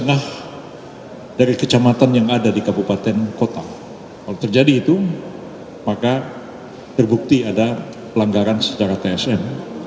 bahwa mereka akan membuktikan terjadinya pelanggaran tsm